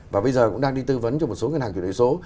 và bây giờ cũng đang đi tư vấn cho một số ngân hàng chuyển đổi số